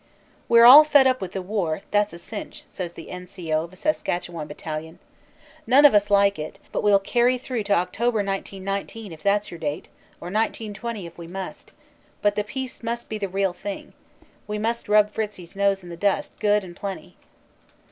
"We re all fed up with the war, that s a cinch," says the N. C. O. of a Saskatchewan battalion. "None of us like it, but we ll carry through to October, 1919 if that s your date or 1920 if we must; but the peace must be the real thing. We must rub Fritzie s nose in the dust good and plenty."